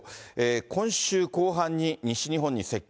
今週後半に西日本に接近。